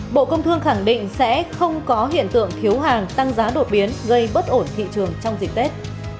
bộ công thương khẳng định sẽ không có hiện tượng thiếu hàng tăng giá đột biến gây bất ổn thị trường trong dịp tết